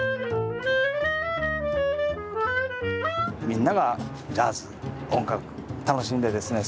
みんながジャズ音楽楽しんでですね